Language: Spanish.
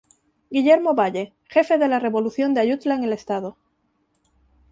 Guillermo Valle jefe de la Revolución de Ayutla en el estado.